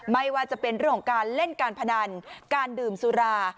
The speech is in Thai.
ไม่ว่าจะเป็นเรื่องของการเล่นการพนันการดื่มสุรา